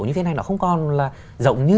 như thế này nó không còn là rộng như